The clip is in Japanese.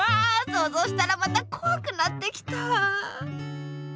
そうぞうしたらまたこわくなってきた！